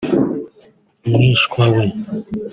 mwishywa we